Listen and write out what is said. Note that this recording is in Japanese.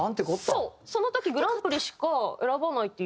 その時グランプリしか選ばないって